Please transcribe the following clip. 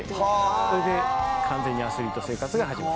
それで完全にアスリート生活が始まった。